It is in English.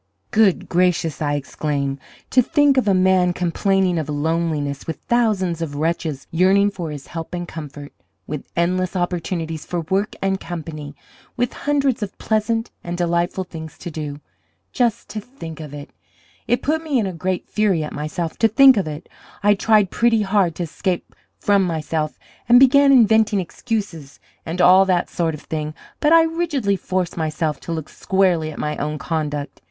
'Good gracious!' I exclaimed, 'to think of a man complaining of loneliness with thousands of wretches yearning for his help and comfort, with endless opportunities for work and company, with hundreds of pleasant and delightful things to do. Just to think of it! It put me in a great fury at myself to think of it. I tried pretty hard to escape from myself and began inventing excuses and all that sort of thing, but I rigidly forced myself to look squarely at my own conduct.